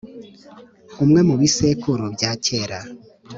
Umwe mu bisekuru bya kera